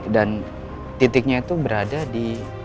dan titiknya itu berada di